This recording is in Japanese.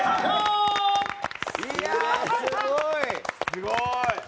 すごい！